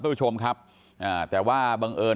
ทุกผู้ชมครับอ่าแต่ว่าบังเอิญ